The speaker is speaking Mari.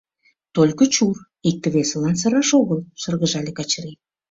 — Только чур! — икте-весылан сыраш огыл! — шыргыжале Качырий.